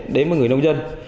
đến với người lông dân